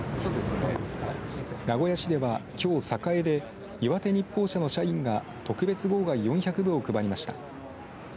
名古屋市では、きょう、栄で岩手日報社の社員が特別号外４００部を配りました。